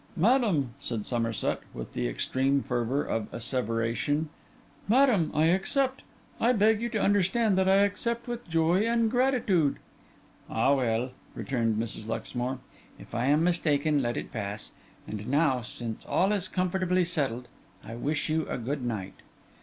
'Madam,' said Somerset, with the extreme fervour of asseveration, 'madam, I accept. I beg you to understand that I accept with joy and gratitude.' 'Ah well,' returned Mrs. Luxmore, 'if I am mistaken, let it pass. And now, since all is comfortably settled, I wish you a good night.